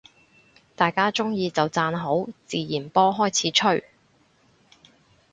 大家鍾意就讚好，自然波開始吹